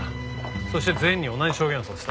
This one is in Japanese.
そして全員に同じ証言をさせた。